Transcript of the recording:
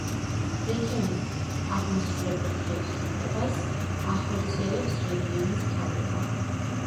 რეგიონის აღმასრულებელი ხელისუფლებას ახორციელებს რეგიონის მთავრობა.